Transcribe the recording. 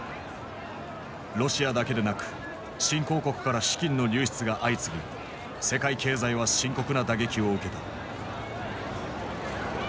ロシアだけでなく新興国から資金の流出が相次ぎ世界経済は深刻な打撃を受けた。